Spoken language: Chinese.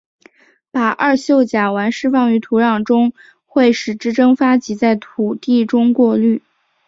把二溴甲烷释放于土壤中会使之蒸发及在土地中过滤。